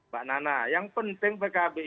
pak nana yang penting pkb itu